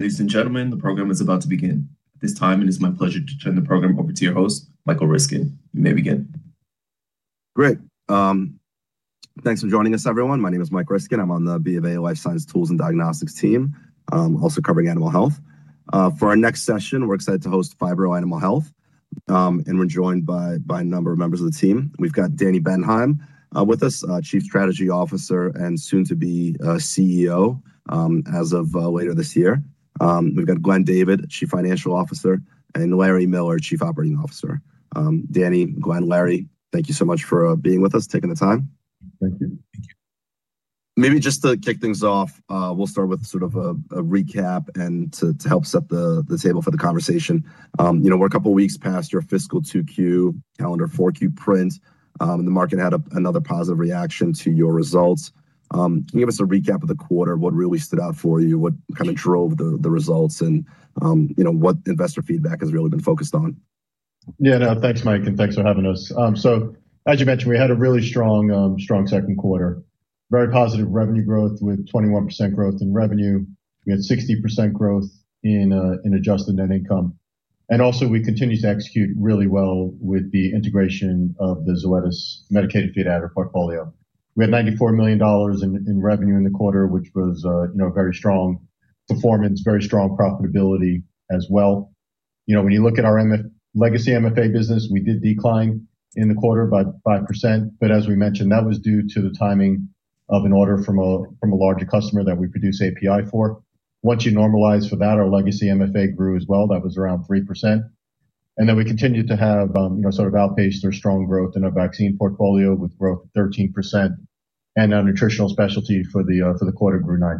Ladies and gentlemen, the program is about to begin. At this time, it is my pleasure to turn the program over to your host, Michael Ryskin. You may begin. Great. Thanks for joining us, everyone. My name is Mike Ryskin. I'm on the BofA Life Science Tools and Diagnostics team, also covering animal health. For our next session, we're excited to host Phibro Animal Health. We're joined by a number of members of the team. We've got Dani Bendheim with us, Chief Strategy Officer and soon to be CEO as of later this year. We've got Glenn David, Chief Financial Officer, and Larry Miller, Chief Operating Officer. Dani, Glenn, Larry, thank you so much for being with us, taking the time. Thank you. Maybe just to kick things off, we'll start with sort of a recap and to help set the table for the conversation. You know, we're a couple of weeks past your fiscal 2Q, calendar 4Q print, the market had another positive reaction to your results. Can you give us a recap of the quarter, what really stood out for you? What kind of drove the results, and, you know, what investor feedback has really been focused on? Yeah. No, thanks, Mike, and thanks for having us. As you mentioned, we had a really strong second quarter. Very positive revenue growth with 21% growth in revenue. We had 60% growth in adjusted net income. We continued to execute really well with the integration of the Zoetis Medicated Feed Additive portfolio. We had $94 million in revenue in the quarter, which was, you know, a very strong performance, very strong profitability as well. You know, when you look at our legacy MFA business, we did decline in the quarter by 5%, but as we mentioned, that was due to the timing of an order from a larger customer that we produce API for. Once you normalize for that, our legacy MFA grew as well. That was around 3%. We continued to have, you know, sort of outpaced our strong growth in our vaccine portfolio, with growth of 13%, and our nutritional specialty for the quarter grew 9%.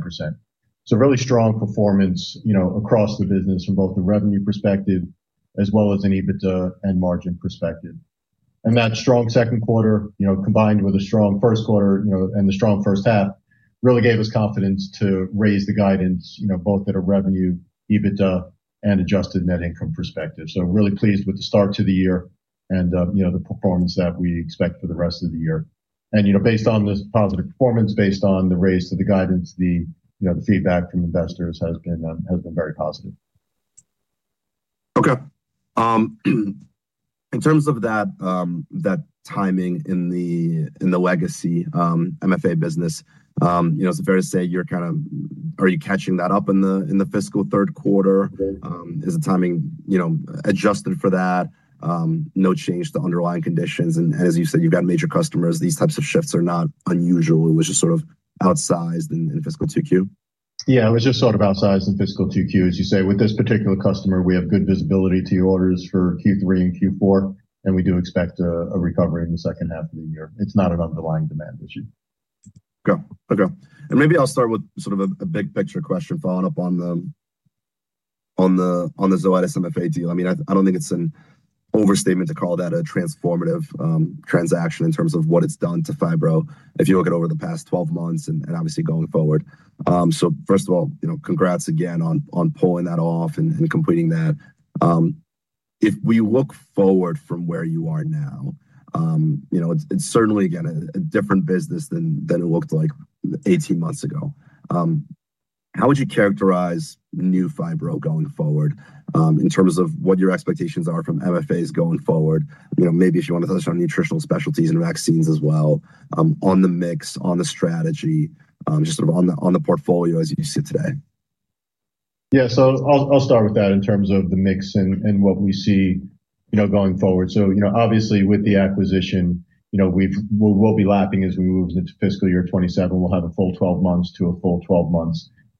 Really strong performance, you know, across the business from both the revenue perspective as well as an EBITDA and margin perspective. That strong second quarter, you know, combined with a strong first quarter, you know, and the strong first half, really gave us confidence to raise the guidance, you know, both at a revenue, EBITDA, and adjusted net income perspective. Really pleased with the start to the year and, you know, the performance that we expect for the rest of the year. you know, based on this positive performance, based on the raise to the guidance, the, you know, the feedback from investors has been very positive. Okay. In terms of that timing in the legacy MFA business, you know, is it fair to say Are you catching that up in the fiscal third quarter? Is the timing, you know, adjusted for that, no change to underlying conditions? As you said, you've got major customers. These types of shifts are not unusual. It was just sort of outsized in fiscal 2Q. Yeah, it was just sort of outsized in fiscal 2Q. As you say, with this particular customer, we have good visibility to orders for Q3 and Q4, and we do expect a recovery in the second half of the year. It's not an underlying demand issue. Okay. Okay, maybe I'll start with sort of a big picture question, following up on the Zoetis MFA deal. I mean, I don't think it's an overstatement to call that a transformative transaction in terms of what it's done to Phibro, if you look at over the past 12 months and obviously going forward. First of all, you know, congrats again on pulling that off and completing that. If we look forward from where you are now, you know, it's certainly, again, a different business than it looked like 18 months ago. How would you characterize new Phibro going forward, in terms of what your expectations are from MFAs going forward? You know, maybe if you want to touch on nutritional specialties and vaccines as well, on the mix, on the strategy, just sort of on the, on the portfolio as you see it today. Yeah. I'll start with that in terms of the mix and what we see, you know, going forward. You know, obviously, with the acquisition, you know, we will be lapping as we move into fiscal year 2027. We'll have a full 12 months,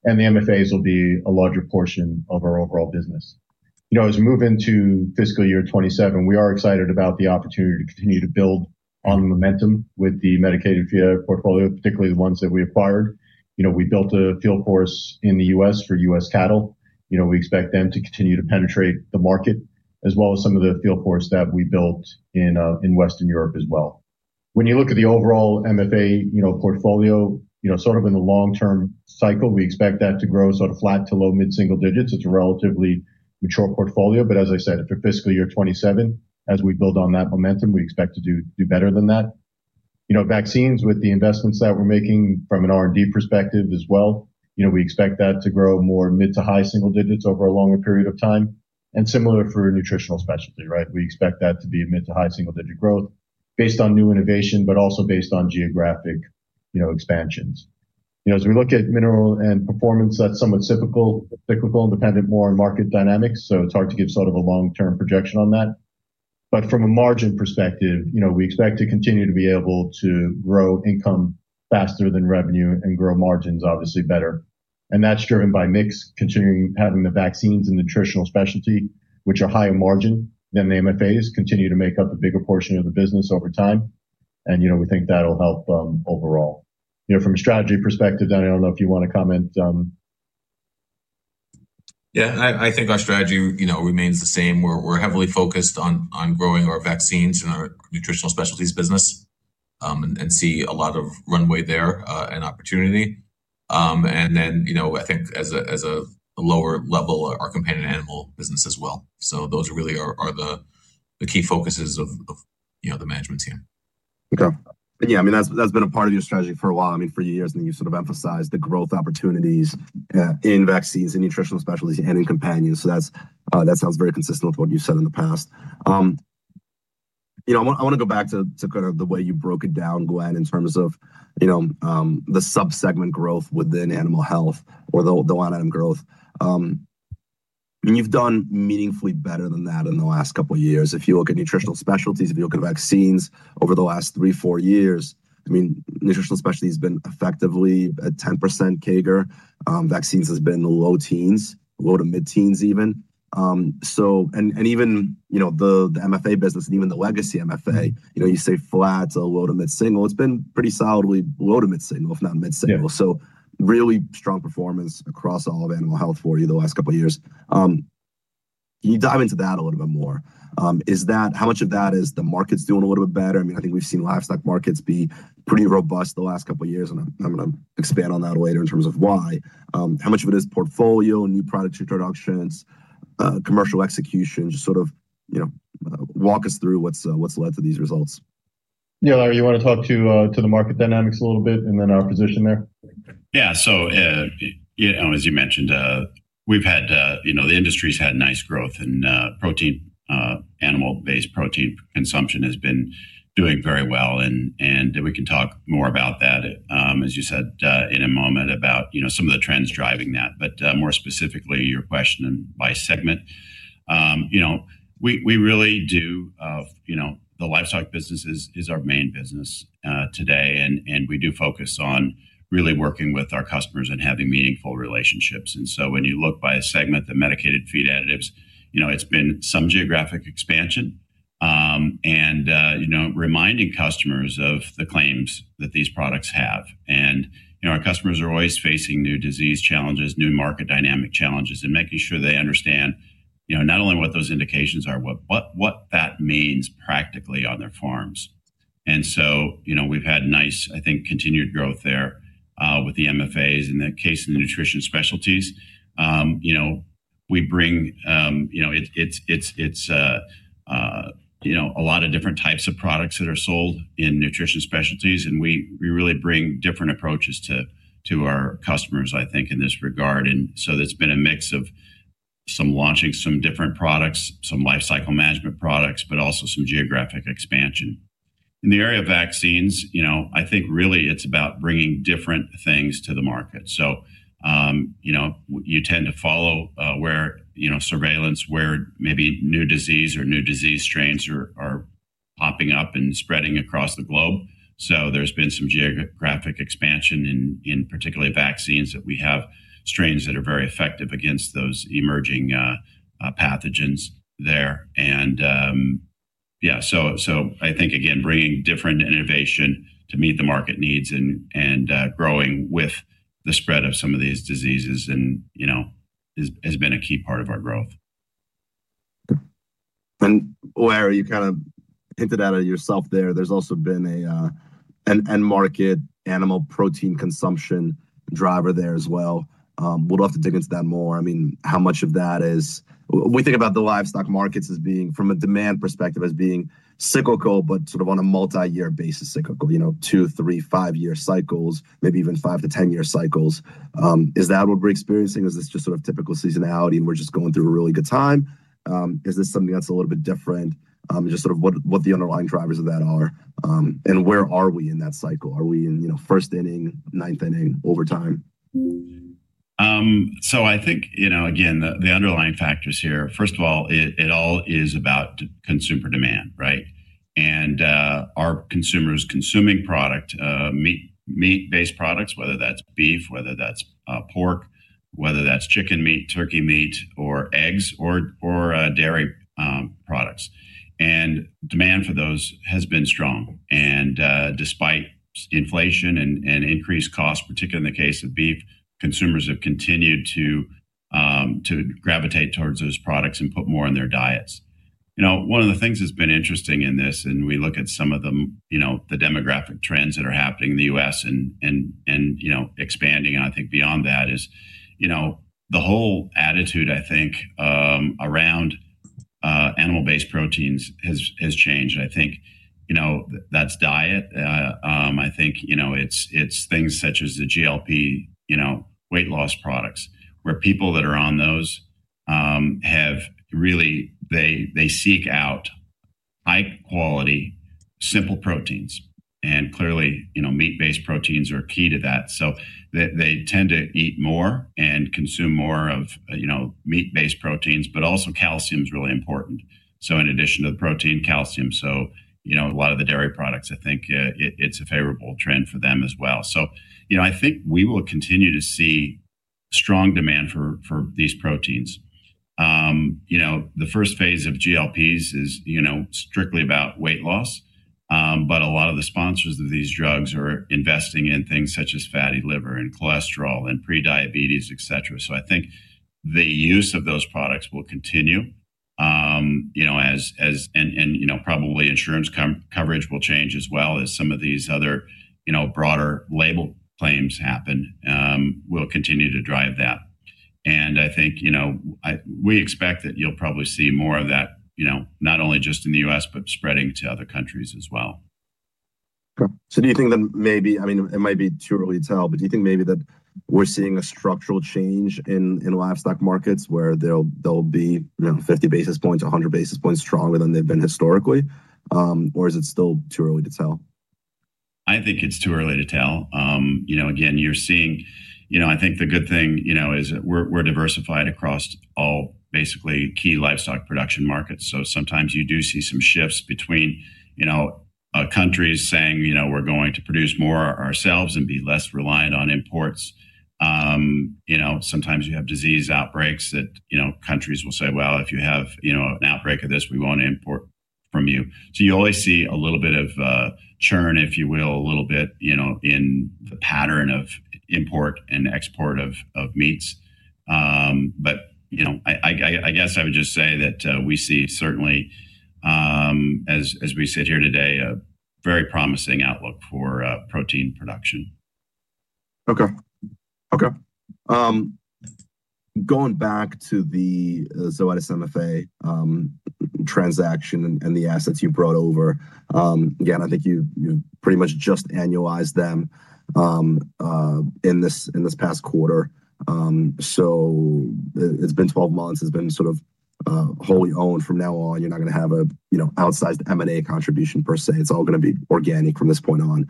and the MFAs will be a larger portion of our overall business. You know, as we move into fiscal year 2027, we are excited about the opportunity to continue to build on the momentum with the Medicated Feed Additive portfolio, particularly the ones that we acquired. You know, we built a field force in the US for US Cattle. You know, we expect them to continue to penetrate the market, as well as some of the field force that we built in Western Europe as well. When you look at the overall MFA, you know, portfolio, you know, sort of in the long-term cycle, we expect that to grow sort of flat to low mid-single digits. It's a relatively mature portfolio, but as I said, after fiscal year 27, as we build on that momentum, we expect to do better than that. You know, vaccines, with the investments that we're making from an R&D perspective as well, you know, we expect that to grow more mid to high single digits over a longer period of time. Similar for nutritional specialty, right? We expect that to be mid to high single digit growth based on new innovation, but also based on geographic, you know, expansions. You know, as we look at mineral and performance, that's somewhat cyclical and dependent more on market dynamics, so it's hard to give sort of a long-term projection on that. From a margin perspective, you know, we expect to continue to be able to grow income faster than revenue and grow margins obviously better. That's driven by mix, continuing having the vaccines and nutritional specialty, which are higher margin than the MFAs, continue to make up a bigger portion of the business over time. You know, we think that'll help overall. You know, from a strategy perspective, Dani, I don't know if you want to comment. Yeah, I think our strategy, you know, remains the same. We're heavily focused on growing our vaccines and our nutritional specialties business, and see a lot of runway there and opportunity. you know, I think as a lower level, our companion animal business as well. those really are the key focuses.... you know, the management team. Okay. Yeah, I mean, that's been a part of your strategy for a while. I mean, for years now, you sort of emphasized the growth opportunities, in vaccines, in nutritional specialties, and in companions. That's, that sounds very consistent with what you've said in the past. You know, I want, I wanna go back to kind of the way you broke it down, Glenn, in terms of, you know, the sub-segment growth within animal health or the one-item growth. You've done meaningfully better than that in the last couple of years. If you look at nutritional specialties, if you look at vaccines over the last 3, 4 years, I mean, nutritional specialties has been effectively at 10% CAGR. vaccines has been in the low teens, low to mid-teens even. Even, you know, the MFA business and even the legacy MFA, you know, you say flat or low to mid-single. It's been pretty solidly low to mid-single, if not mid-single. Yeah. Really strong performance across all of animal health for you the last couple of years. Can you dive into that a little bit more? How much of that is the market's doing a little bit better? I mean, I think we've seen livestock markets be pretty robust the last couple of years, and I'm gonna expand on that later in terms of why. How much of it is portfolio, new product introductions, commercial execution? Just sort of, you know, walk us through what's led to these results. Larry, you wanna talk to the market dynamics a little bit and then our position there? Yeah. As you mentioned, we've had, you know, the industry's had nice growth and protein, animal-based protein consumption has been doing very well. We can talk more about that, as you said, in a moment about, you know, some of the trends driving that. More specifically, your question and by segment. You know, we really do, you know, the livestock business is our main business today, and we do focus on really working with our customers and having meaningful relationships. When you look by a segment, the Medicated Feed Additives, you know, it's been some geographic expansion, and, you know, reminding customers of the claims that these products have. You know, our customers are always facing new disease challenges, new market dynamic challenges, and making sure they understand, you know, not only what those indications are, but what that means practically on their farms. You know, we've had nice, I think, continued growth there with the MFAs. In the case of the nutrition specialties, you know, we bring, you know... it's, you know, a lot of different types of products that are sold in nutrition specialties, and we really bring different approaches to our customers, I think, in this regard. It's been a mix of some launching some different products, some life cycle management products, but also some geographic expansion. In the area of vaccines, you know, I think really it's about bringing different things to the market. You know, you tend to follow, where, you know, surveillance, where maybe new disease or new disease strains are popping up and spreading across the globe. There's been some geographic expansion in particularly vaccines, that we have strains that are very effective against those emerging pathogens there. Yeah, I think again, bringing different innovation to meet the market needs and growing with the spread of some of these diseases and, you know, is, has been a key part of our growth. Where you kind of hinted at it yourself there's also been an end market animal protein consumption driver there as well. Would love to dig into that more. I mean, how much of that is... We think about the livestock markets as being, from a demand perspective, as being cyclical, but sort of on a multi-year basis, cyclical, you know, 2, 3, 5-year cycles, maybe even 5-10-year cycles. Is that what we're experiencing, or is this just sort of typical seasonality and we're just going through a really good time? Is this something that's a little bit different? Just sort of what the underlying drivers of that are, and where are we in that cycle? Are we in, you know, first inning, ninth inning, overtime? I think, you know, again, the underlying factors here, first of all, it all is about consumer demand, right? Are consumers consuming product, meat-based products, whether that's beef, whether that's pork, whether that's chicken meat, turkey meat, or eggs, or dairy products. Demand for those has been strong. Despite inflation and increased costs, particularly in the case of beef, consumers have continued to gravitate towards those products and put more in their diets. You know, one of the things that's been interesting in this, and we look at some of the, you know, the demographic trends that are happening in the U.S. and expanding, and I think beyond that is, you know, the whole attitude I think, around animal-based proteins has changed. I think, you know, that's diet. I think, you know, it's things such as the GLP, you know, weight loss products, where people that are on those, they seek out high-quality, simple proteins, and clearly, you know, meat-based proteins are key to that. They tend to eat more and consume more of, you know, meat-based proteins, but also calcium is really important. In addition to the protein, calcium, so, you know, a lot of the dairy products, I think, it's a favorable trend for them as well. I think we will continue to see strong demand for these proteins. you know, the first phase of GLP-1s is, you know, strictly about weight loss, but a lot of the sponsors of these drugs are investing in things such as fatty liver and cholesterol and pre-diabetes, et cetera. I think the use of those products will continue, you know, as, you know, probably insurance coverage will change as well as some of these other, you know, broader label claims happen, will continue to drive that. I think, you know, we expect that you'll probably see more of that, you know, not only just in the U.S., but spreading to other countries as well. Do you think that maybe, I mean, it might be too early to tell, but do you think maybe that we're seeing a structural change in livestock markets where they'll be, you know, 50 basis points, 100 basis points stronger than they've been historically, or is it still too early to tell? I think it's too early to tell. You know, again, you know, I think the good thing, you know, is that we're diversified across all basically key livestock production markets. Sometimes you do see some shifts between, you know, countries saying, "You know, we're going to produce more ourselves and be less reliant on imports." You know, sometimes you have disease outbreaks that, you know, countries will say, "Well, if you have, you know, an outbreak of this, we won't import from you." You always see a little bit of churn, if you will, a little bit, you know, in the pattern of import and export of meats. I, I guess I would just say that, we see certainly, as we sit here today, a very promising outlook for protein production. Okay. Okay. Going back to the Zoetis MFA transaction and the assets you brought over, again, I think you pretty much just annualized them in this, in this past quarter. It's been 12 months, it's been sort of wholly owned. From now on, you're not gonna have a, you know, outsized M and A contribution per se. It's all gonna be organic from this point on.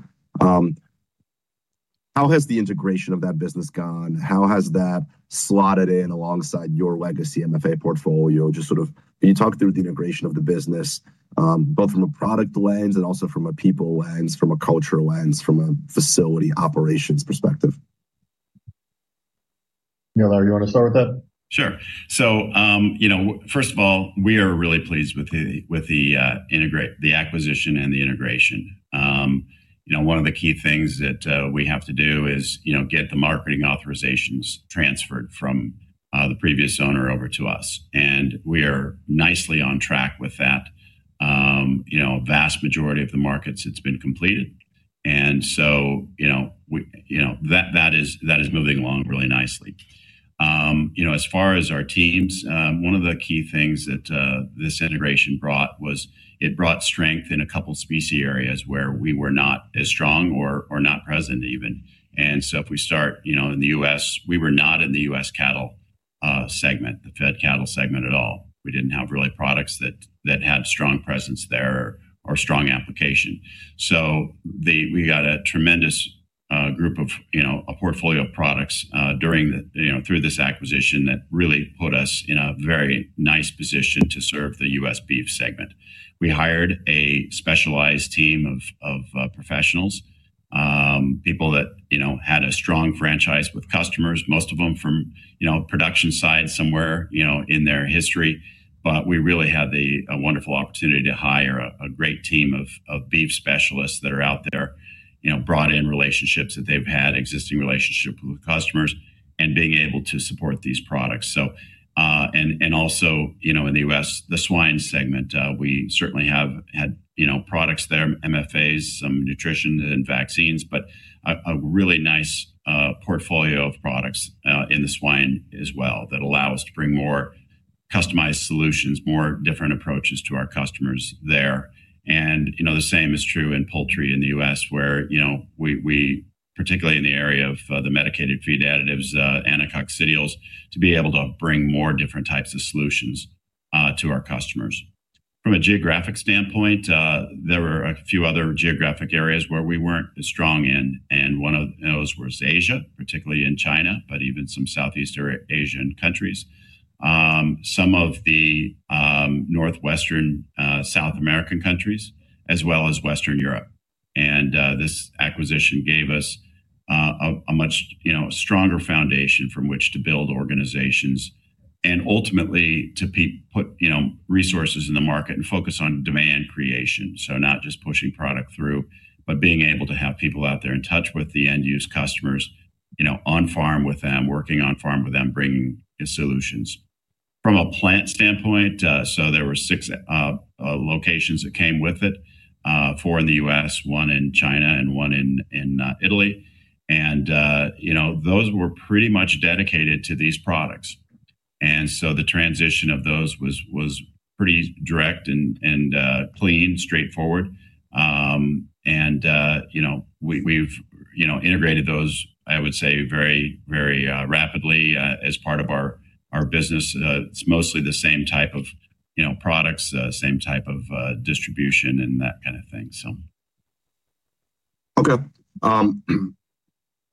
How has the integration of that business gone? How has that slotted in alongside your legacy MFA portfolio? Just sort of can you talk through the integration of the business, both from a product lens and also from a people lens, from a culture lens, from a facility operations perspective? Neil, you want to start with that? Sure. You know, first of all, we are really pleased with the acquisition and the integration. You know, one of the key things that we have to do is, you know, get the marketing authorizations transferred from the previous owner over to us, and we are nicely on track with that. You know, a vast majority of the markets, it's been completed, you know, we, you know, that is moving along really nicely. You know, as far as our teams, one of the key things that this integration brought was it brought strength in a couple species areas where we were not as strong or not present even. If we start, you know, in the U.S., we were not in the U.S. cattle segment, the fed cattle segment at all. We didn't have really products that had strong presence there or strong application. We got a tremendous group of, you know, a portfolio of products, during the, you know, through this acquisition that really put us in a very nice position to serve the U.S. beef segment. We hired a specialized team of professionals, people that, you know, had a strong franchise with customers, most of them from, you know, production side somewhere, you know, in their history. We really had a wonderful opportunity to hire a great team of beef specialists that are out there. You know, brought in relationships that they've had, existing relationships with customers, and being able to support these products. Also, you know, in the U.S., the swine segment, we certainly have had, you know, products there, MFAs, some nutrition and vaccines, but a really nice portfolio of products in the swine as well, that allow us to bring more customized solutions, more different approaches to our customers there. You know, the same is true in poultry in the U.S., where, you know, we particularly in the area of the medicated feed additives and anticoccidials, to be able to bring more different types of solutions to our customers. From a geographic standpoint, there were a few other geographic areas where we weren't as strong in, one of those was Asia, particularly in China, but even some Southeast Asian countries. Some of the northwestern South American countries, as well as Western Europe. This acquisition gave us a much, you know, stronger foundation from which to build organizations and ultimately to put, you know, resources in the market and focus on demand creation. Not just pushing product through, but being able to have people out there in touch with the end-use customers, you know, on farm with them, working on farm with them, bringing solutions. From a plant standpoint, so there were six locations that came with it, four in the U.S., one in China, and one in Italy. You know, those were pretty much dedicated to these products, and so the transition of those was pretty direct and clean, straightforward. You know, we've, you know, integrated those, I would say, very rapidly as part of our business. It's mostly the same type of, you know, products, same type of distribution and that kind of thing. Okay.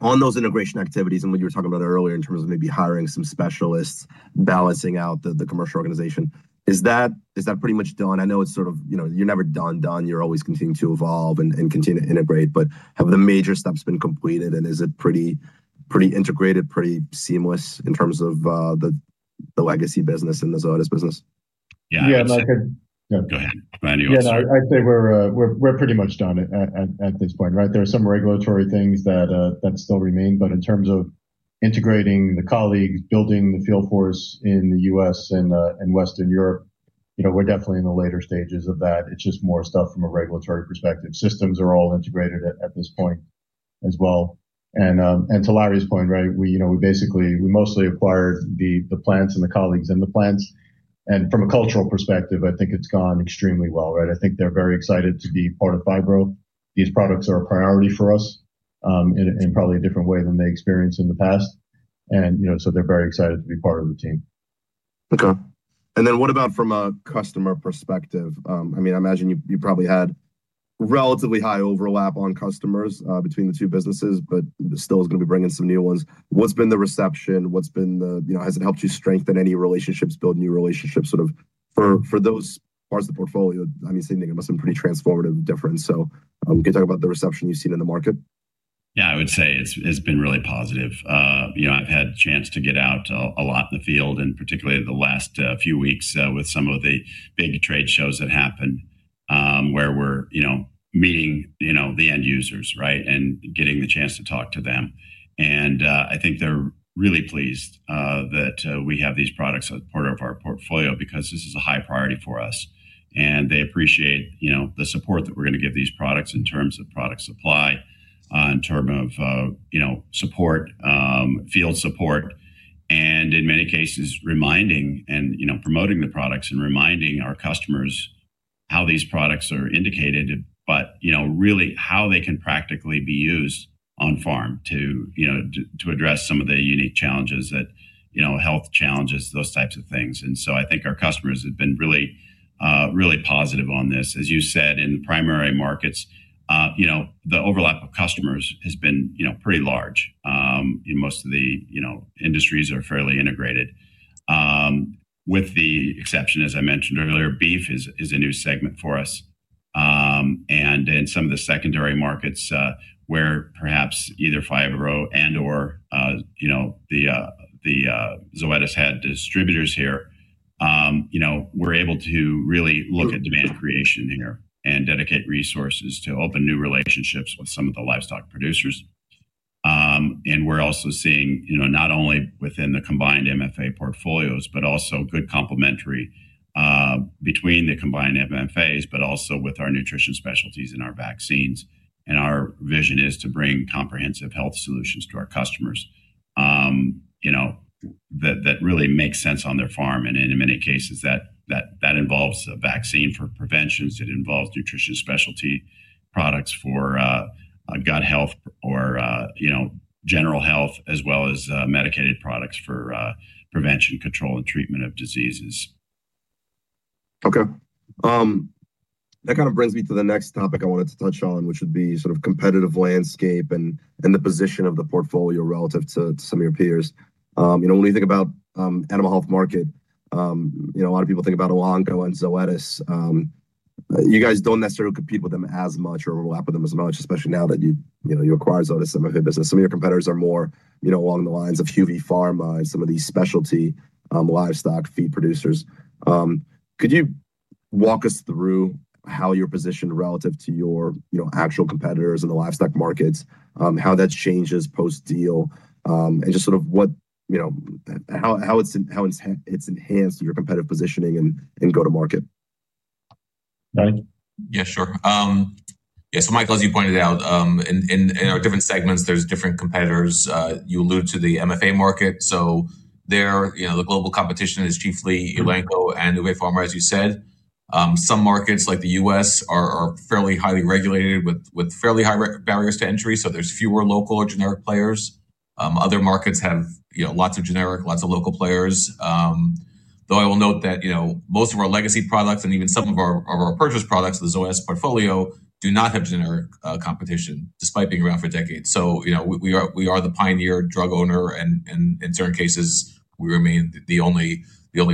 on those integration activities and what you were talking about earlier in terms of maybe hiring some specialists, balancing out the commercial organization, is that pretty much done? I know it's sort of, you know, you're never done. You're always continuing to evolve and continue to integrate, but have the major steps been completed, and is it pretty integrated, pretty seamless in terms of the legacy business and the Zoetis business? Yeah. Yeah, I. Go ahead. Randy, you go. Yeah, I'd say we're pretty much done at this point, right? There are some regulatory things that still remain, but in terms of integrating the colleagues, building the field force in the U.S. and Western Europe...... you know, we're definitely in the later stages of that. It's just more stuff from a regulatory perspective. Systems are all integrated at this point as well. To Larry's point, right, we, you know, we basically, we mostly acquired the plants and the colleagues in the plants. From a cultural perspective, I think it's gone extremely well, right? I think they're very excited to be part of Phibro. These products are a priority for us, in probably a different way than they experienced in the past, and, you know, so they're very excited to be part of the team. Okay. What about from a customer perspective? I mean, I imagine you probably had relatively high overlap on customers between the two businesses, but still is gonna be bringing some new ones. What's been the reception? You know, has it helped you strengthen any relationships, build new relationships, sort of, for those parts of the portfolio? I mean, same thing, it must have been pretty transformative difference. Can you talk about the reception you've seen in the market? Yeah, I would say it's been really positive. You know, I've had a chance to get out a lot in the field, particularly the last few weeks, with some of the big trade shows that happened, where we're, you know, meeting, you know, the end users, right? Getting the chance to talk to them. I think they're really pleased that we have these products as part of our portfolio because this is a high priority for us. They appreciate, you know, the support that we're gonna give these products in terms of product supply, in terms of, you know, support, field support, and in many cases, reminding and, you know, promoting the products and reminding our customers how these products are indicated. you know, really, how they can practically be used on farm to, you know, to address some of the unique challenges that, you know, health challenges, those types of things. I think our customers have been really positive on this. As you said, in the primary markets, you know, the overlap of customers has been, you know, pretty large. In most of the, you know, industries are fairly integrated. With the exception, as I mentioned earlier, beef is a new segment for us. And in some of the secondary markets, where perhaps either Phibro and or, you know, the Zoetis had distributors here, you know, we're able to really look at demand creation here and dedicate resources to open new relationships with some of the livestock producers. we're also seeing, you know, not only within the combined MFA portfolios, but also good complementary between the combined MFAs, but also with our nutrition specialties and our vaccines. Our vision is to bring comprehensive health solutions to our customers, you know, that really makes sense on their farm, and in many cases, that involves a vaccine for preventions, it involves nutrition specialty products for gut health or, you know, general health, as well as medicated products for prevention, control, and treatment of diseases. Okay. That kind of brings me to the next topic I wanted to touch on, which would be sort of competitive landscape and the position of the portfolio relative to some of your peers. You know, when you think about, animal health market, you know, a lot of people think about Elanco and Zoetis. You guys don't necessarily compete with them as much or overlap with them as much, especially now that you know, you acquired Zoetis, some of their business. Some of your competitors are more, you know, along the lines of Huvepharma, some of these specialty, livestock feed producers. Could you walk us through how you're positioned relative to your, you know, actual competitors in the livestock markets, how that's changed as post-deal, and just sort of what, you know, how it's enhanced your competitive positioning and go to market? Larry? Yeah, sure. Yeah, so Michael, as you pointed out, in our different segments, there's different competitors. You allude to the MFA market, so there, you know, the global competition is chiefly Elanco and Huvepharma, as you said. Some markets, like the U.S., are fairly highly regulated with fairly high barriers to entry, so there's fewer local or generic players. Other markets have, you know, lots of generic, lots of local players. Though I will note that, you know, most of our legacy products and even some of our purchased products, the Zoetis portfolio, do not have generic competition, despite being around for decades. You know, we are the pioneer drug owner, and in certain cases, we remain the only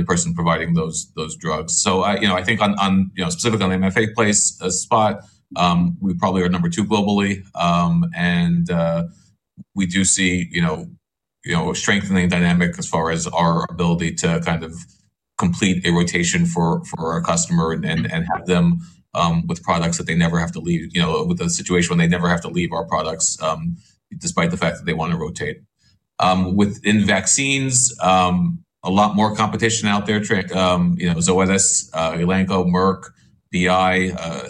person providing those drugs. I, you know, I think on, you know, specifically on MFA place, spot, we probably are number two globally. And we do see, you know, a strengthening dynamic as far as our ability to kind of complete a rotation for our customer and have them with products that they never have to leave, you know, with a situation when they never have to leave our products, despite the fact that they want to rotate. Within vaccines, a lot more competition out there, Ryskin. You know, Zoetis, Elanco, Merck, BI,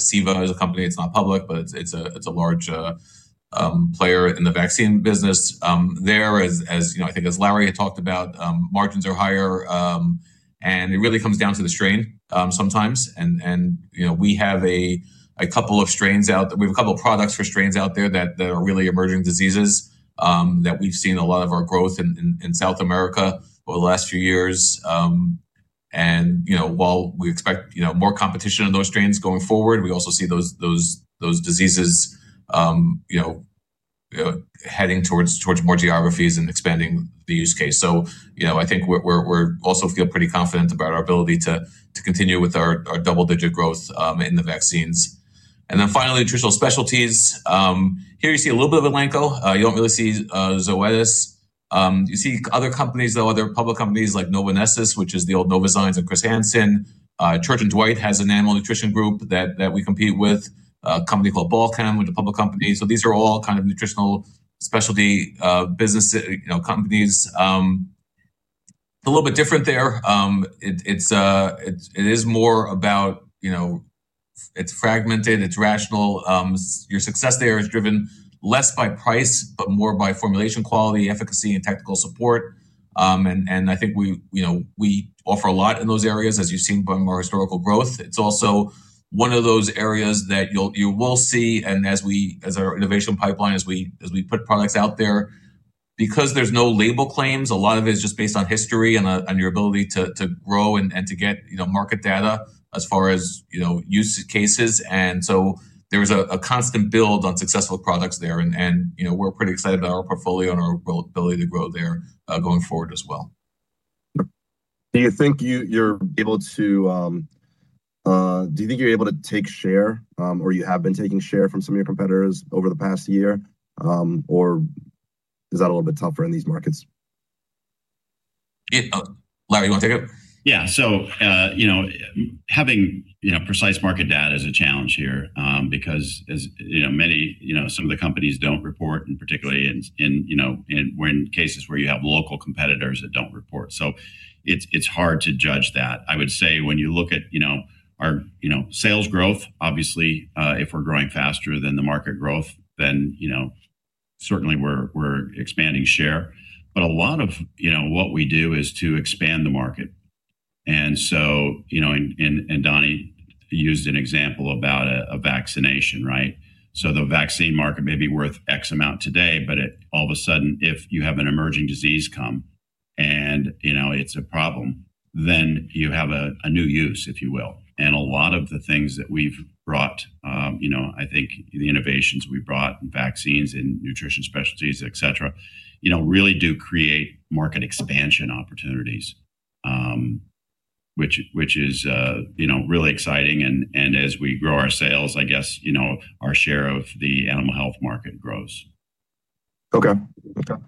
Ceva is a company that's not public, but it's a large player in the vaccine business. There as you know, I think as Larry had talked about, margins are higher. It really comes down to the strain sometimes. You know, we have a couple of products for strains out there that are really emerging diseases that we've seen a lot of our growth in South America over the last few years. You know, while we expect, you know, more competition in those strains going forward, we also see those diseases heading towards more geographies and expanding the use case. You know, I think we're also feel pretty confident about our ability to continue with our double-digit growth in the vaccines. Finally, nutritional specialties. Here you see a little bit of Elanco. You don't really see Zoetis. You see other companies, though, other public companies like Novonesis, which is the old Novozymes and Chr. Hansen. Church & Dwight has an animal nutrition group that we compete with, a company called Balchem, which is a public company. These are all kind of nutritional specialty business, you know, companies. A little bit different there. It is more about, you know, it's fragmented, it's rational. Your success there is driven less by price, but more by formulation, quality, efficacy, and technical support. I think we, you know, we offer a lot in those areas, as you've seen by our historical growth. It's also one of those areas that you will see, as our innovation pipeline, as we put products out there, because there's no label claims, a lot of it is just based on history and on your ability to grow and to get, you know, market data as far as, you know, use cases. There's a constant build on successful products there. You know, we're pretty excited about our portfolio and our growth, ability to grow there, going forward as well. Do you think you're able to take share, or you have been taking share from some of your competitors over the past year, or is that a little bit tougher in these markets? It, Larry, you want to take it? Yeah. having precise market data is a challenge here because as you know, many, some of the companies don't report, and particularly in, when cases where you have local competitors that don't report. It's hard to judge that. I would say when you look at our sales growth, obviously, if we're growing faster than the market growth, then certainly we're expanding share. A lot of what we do is to expand the market. Dani used an example about a vaccination, right? The vaccine market may be worth X amount today, but it all of a sudden, if you have an emerging disease come and, you know, it's a problem, then you have a new use, if you will. A lot of the things that we've brought, you know, I think the innovations we've brought in vaccines and nutrition specialties, et cetera, you know, really do create market expansion opportunities, which is, you know, really exciting. As we grow our sales, I guess, you know, our share of the animal health market grows. Okay. Okay.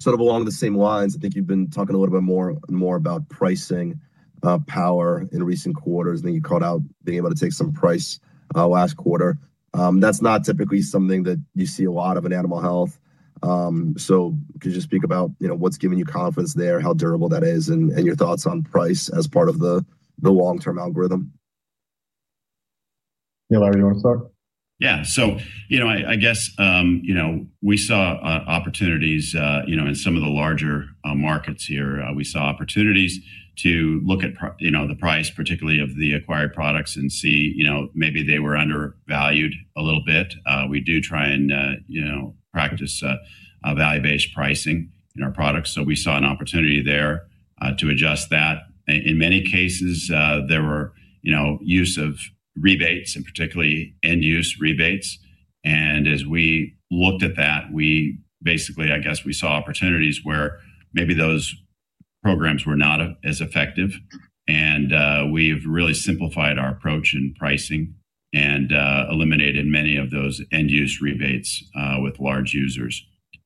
Sort of along the same lines, I think you've been talking a little bit more about pricing power in recent quarters, I think you called out being able to take some price last quarter. That's not typically something that you see a lot of in animal health. Could you just speak about, you know, what's giving you confidence there, how durable that is, and your thoughts on price as part of the long-term algorithm? Yeah, Larry, you want to start? Yeah. So, you know, I guess, you know, we saw opportunities, you know, in some of the larger markets here. We saw opportunities to look at, you know, the price, particularly of the acquired products, and see, you know, maybe they were undervalued a little bit. We do try and, you know, practice value-based pricing in our products, so we saw an opportunity there to adjust that. In many cases, there were, you know, use of rebates and particularly end-use rebates. As we looked at that, we basically, I guess, we saw opportunities where maybe those programs were not as effective. We've really simplified our approach in pricing and eliminated many of those end-use rebates with large users.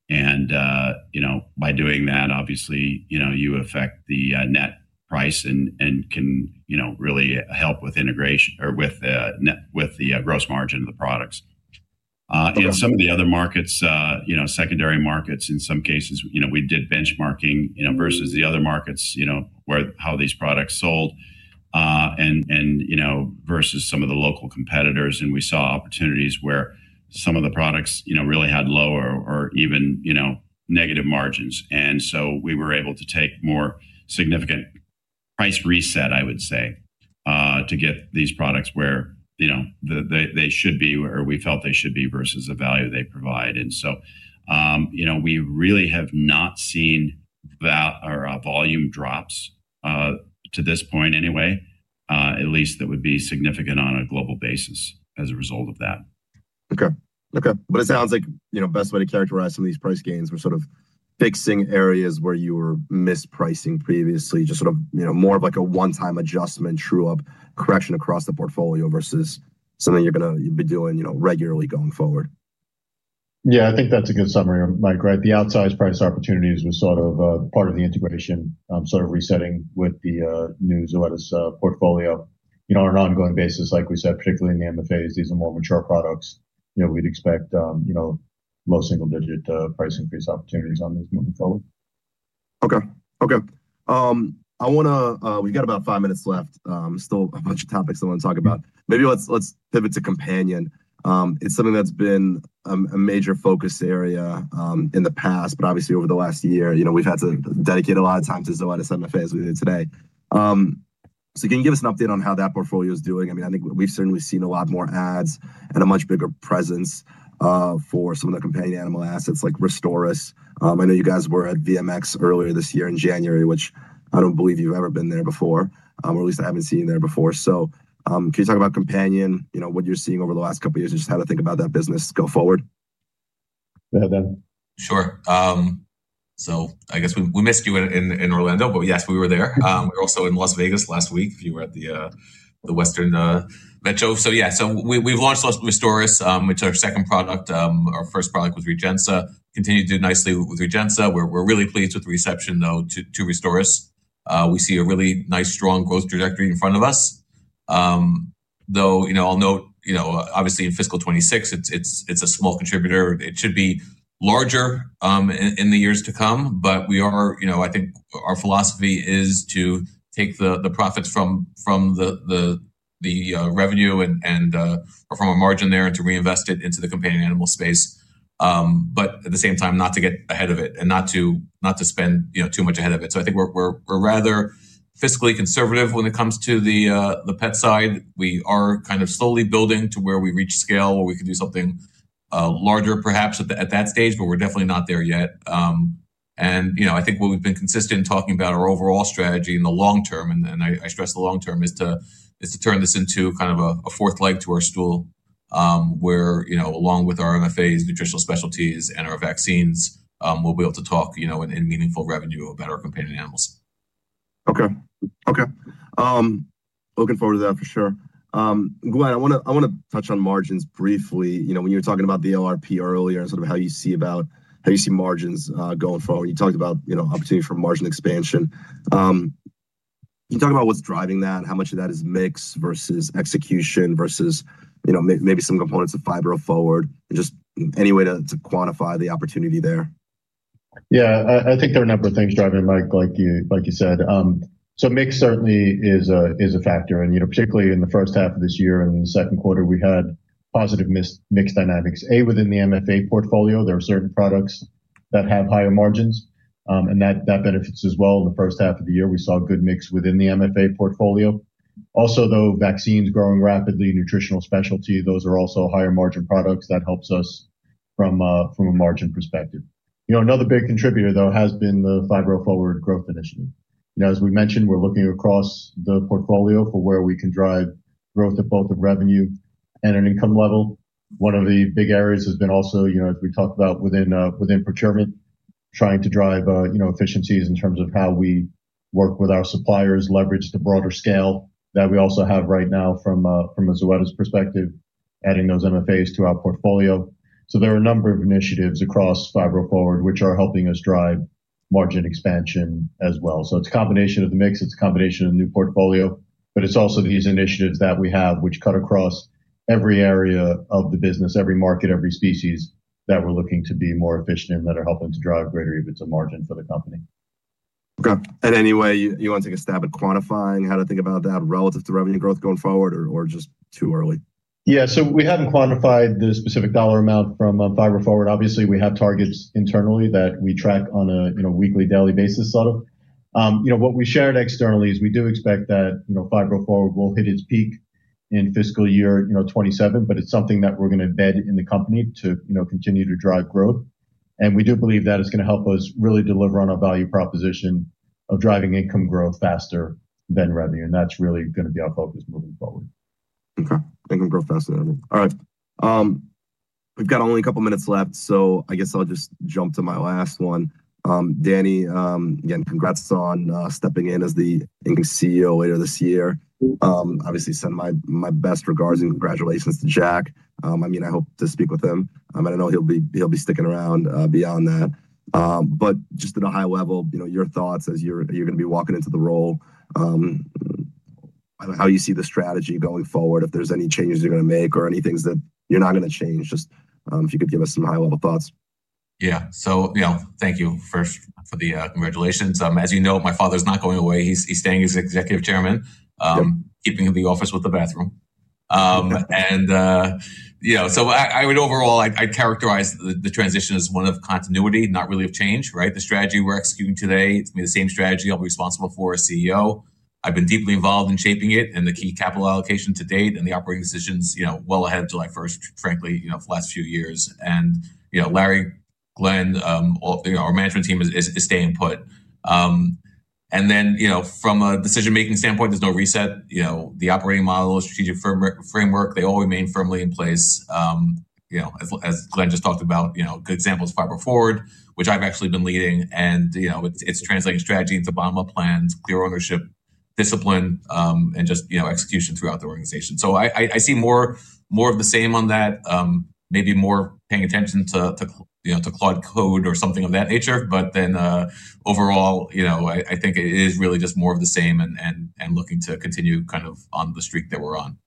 You know, by doing that, obviously, you know, you affect the net price and can, you know, really help with integration or with the gross margin of the products. Some of the other markets, you know, secondary markets, in some cases, you know, we did benchmarking, you know, versus the other markets, you know, where, how these products sold, and, you know, versus some of the local competitors. We saw opportunities where some of the products, you know, really had lower or even, you know, negative margins. We were able to take more significant price reset, I would say, to get these products where, you know, they should be, or we felt they should be, versus the value they provide. You know, we really have not seen volume drops to this point anyway, at least that would be significant on a global basis as a result of that. Okay. Okay, it sounds like, you know, best way to characterize some of these price gains were sort of fixing areas where you were mispricing previously, just sort of, you know, more of like a one-time adjustment, true-up correction across the portfolio versus something you'll be doing, you know, regularly going forward. I think that's a good summary, Mike, right? The outsized price opportunities was sort of part of the integration, sort of resetting with the new Zoetis portfolio. You know, on an ongoing basis, like we said, particularly in the MFAs, these are more mature products. You know, we'd expect low single-digit price increase opportunities on these moving forward. Okay, okay. I wanna, we've got about five minutes left, still a bunch of topics I want to talk about. Maybe let's pivot to Companion. It's something that's been, a major focus area, in the past, but obviously over the last year, you know, we've had to dedicate a lot of time to Zoetis and MFA as we did today. Can you give us an update on how that portfolio is doing? I mean, I think we've certainly seen a lot more ads and a much bigger presence, for some of the companion animal assets like Restoris. I know you guys were at VMX earlier this year in January, which I don't believe you've ever been there before, or at least I haven't seen you there before. Can you talk about Companion, you know, what you're seeing over the last couple of years, and just how to think about that business go forward? Go ahead, Dani. Sure. I guess we missed you in Orlando, but yes, we were there. We're also in Las Vegas last week, if you were at the Westin Metro. Yeah, we've launched Restoris, which is our second product. Our first product was Regensa. Continue to do nicely with Regensa. We're, we're really pleased with the reception, though, to Restoris. We see a really nice, strong growth trajectory in front of us. Though, you know, I'll note, you know, obviously in fiscal 26, it's, it's a small contributor. It should be larger in the years to come. You know, I think our philosophy is to take the profits from the revenue and or from a margin there, and to reinvest it into the companion animal space. At the same time, not to get ahead of it, and not to spend, you know, too much ahead of it. I think we're rather fiscally conservative when it comes to the pet side. We are kind of slowly building to where we reach scale, where we can do something larger, perhaps, at that stage, but we're definitely not there yet. You know, I think what we've been consistent in talking about our overall strategy in the long term, and I stress the long term, is to turn this into kind of a fourth leg to our stool. Where, you know, along with our MFAs, nutritional specialties, and our vaccines, we'll be able to talk, you know, in meaningful revenue about our companion animals. Okay. Okay. Looking forward to that for sure. Go ahead. I wanna touch on margins briefly. You know, when you were talking about the LRP earlier and sort of how you see how you see margins, going forward. You talked about, you know, opportunity for margin expansion. Can you talk about what's driving that? How much of that is mix, versus execution, versus, you know, maybe some components of Phibro Forward, and just any way to quantify the opportunity there? Yeah. I think there are a number of things driving it, Mike, like you said. Mix certainly is a factor. You know, particularly in the first half of this year and in the second quarter, we had positive mix dynamics. Within the MFA portfolio, there are certain products that have higher margins, and that benefits as well. In the first half of the year, we saw a good mix within the MFA portfolio. Also, though, vaccines growing rapidly, nutritional specialty, those are also higher margin products. That helps us from a margin perspective. You know, another big contributor, though, has been the Phibro Forward growth initiative. You know, as we mentioned, we're looking across the portfolio for where we can drive growth at both the revenue and an income level. One of the big areas has been also, you know, as we talked about within procurement, trying to drive, you know, efficiencies in terms of how we work with our suppliers, leverage the broader scale that we also have right now from a Zoetis perspective, adding those MFAs to our portfolio. There are a number of initiatives across Phibro Forward, which are helping us drive margin expansion as well. It's a combination of the mix, it's a combination of new portfolio, but it's also these initiatives that we have, which cut across every area of the business, every market, every species, that we're looking to be more efficient in, that are helping to drive greater EBITDA margin for the company. Okay. Any way you want to take a stab at quantifying how to think about that relative to revenue growth going forward, or just too early? We haven't quantified the specific dollar amount from Phibro Forward. Obviously, we have targets internally that we track on a, you know, weekly, daily basis, sort of. You know, what we shared externally is we do expect that, you know, Phibro Forward will hit its peak in fiscal year, you know, 2027, but it's something that we're going to embed in the company to, you know, continue to drive growth. We do believe that it's going to help us really deliver on our value proposition of driving income growth faster than revenue, and that's really going to be our focus moving forward. Okay. Income growth faster than revenue. All right. We've got only a couple of minutes left, so I guess I'll just jump to my last one. Dani, again, congrats on stepping in as the incoming CEO later this year. Obviously, send my best regards and congratulations to Jack. I mean, I hope to speak with him. And I know he'll be sticking around beyond that. Just at a high level, you know, your thoughts as you're going to be walking into the role, and how you see the strategy going forward, if there's any changes you're going to make or any things that you're not going to change, just if you could give us some high-level thoughts. Yeah. you know, thank you, first, for the congratulations. As you know, my father's not going away. He's staying as Executive Chairman. Yep keeping the office with the bathroom. You know, so I would overall, I'd characterize the transition as one of continuity, not really of change, right? The strategy we're executing today, it's going to be the same strategy I'll be responsible for as CEO. I've been deeply involved in shaping it and the key capital allocation to date and the operating decisions, you know, well ahead of July first, frankly, you know, for the last few years. You know, Larry, Glenn, all, you know, our management team is staying put. You know, from a decision-making standpoint, there's no reset. You know, the operating model, strategic framework, they all remain firmly in place. You know, as Glenn just talked about, you know, a good example is Phibro Forward, which I've actually been leading. You know, it's translating strategy into bottom-up plans, clear ownership, discipline, and just, you know, execution throughout the organization. I see more of the same on that, maybe more paying attention to, you know, to Claude Code or something of that nature. Overall, you know, I think it is really just more of the same and looking to continue kind of on the streak that we're on.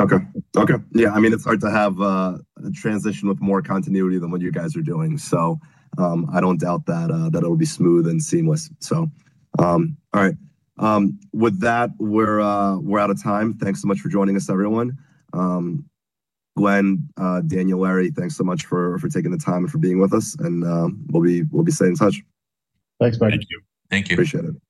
Okay. Okay. Yeah, I mean, it's hard to have a transition with more continuity than what you guys are doing. I don't doubt that it'll be smooth and seamless. All right. With that, we're out of time. Thanks so much for joining us, everyone. Glenn, Dani, Larry, thanks so much for taking the time and for being with us, and we'll be staying in touch. Thanks, Mike. Thank you. Thank you. Appreciate it.